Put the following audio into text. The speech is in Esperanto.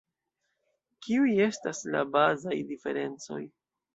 Kiuj estas la bazaj diferencoj?